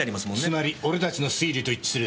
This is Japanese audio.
つまり俺たちの推理と一致する。